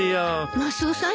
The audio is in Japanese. マスオさん